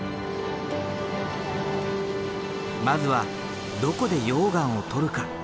まずはどこで溶岩を採るか？